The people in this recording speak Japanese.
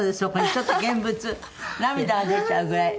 ちょっと現物涙が出ちゃうぐらい。